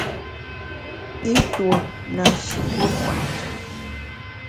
I tuo na shi pi kwet njap.